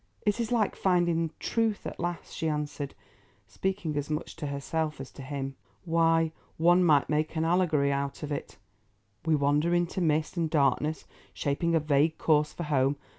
"It is like finding truth at last," she answered, speaking as much to herself as to him. "Why, one might make an allegory out of it. We wander in mist and darkness shaping a vague course for home.